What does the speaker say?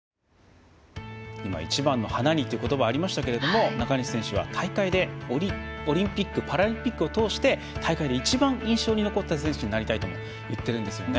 今、一番の花にという言葉がありましたが中西選手はオリンピック・パラリンピックを通して大会で一番印象に残った選手になりたいとも言っているんですよね。